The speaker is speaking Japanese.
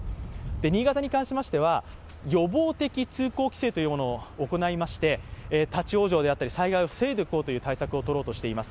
新潟に関しましては、予防的通行規制を行いまして、立往生であったり災害を防いでいこうという対策をとっています。